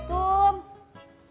nanti siapa aja